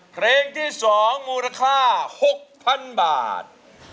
เพลงที่๒มูลค่า๖๐๐๐บาท